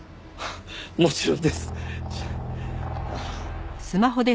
もちろんです！